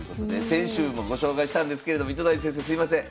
先週もご紹介したんですけれども糸谷先生すいません